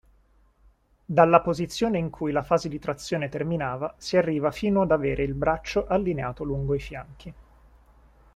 Dalla posizione in cui la fase di trazione terminava si arriva fino ad avere il braccio allineato lungo i fianchi.